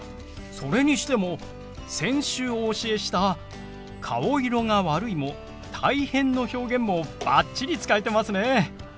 それにしても先週お教えした「顔色が悪い」も「大変」の表現もバッチリ使えてますね。